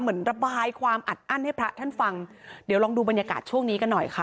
เหมือนระบายความอัดอั้นให้พระท่านฟังเดี๋ยวลองดูบรรยากาศช่วงนี้กันหน่อยค่ะ